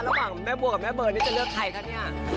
ระหว่างแม่บัวกับแม่เบอร์นี่จะเลือกใครคะเนี่ย